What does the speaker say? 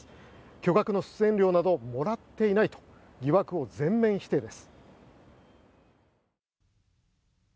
巨額の出演料などもらっていないと疑惑を全面否定です。